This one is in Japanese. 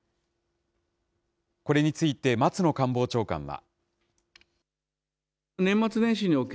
これについて、松野官房長官は。